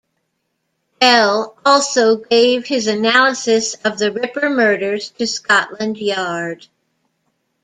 Bell also gave his analysis of the Ripper murders to Scotland Yard.